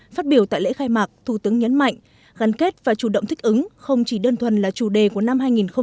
phát biểu tại lễ khai mạc thủ tướng nhấn mạnh gắn kết và chủ động thích ứng không chỉ đơn thuần là chủ đề của năm hai nghìn hai mươi